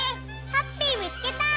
ハッピーみつけた！